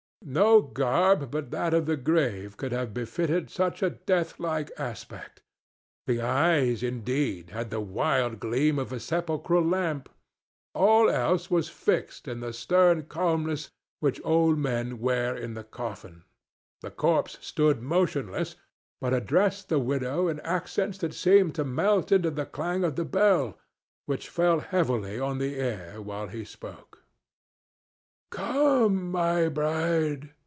No garb but that of the grave could have befitted such a death like aspect. The eyes, indeed, had the wild gleam of a sepulchral lamp; all else was fixed in the stern calmness which old men wear in the coffin. The corpse stood motionless, but addressed the widow in accents that seemed to melt into the clang of the bell, which fell heavily on the air while he spoke. "Come, my bride!"